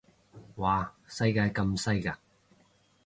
嘩世界咁細嘅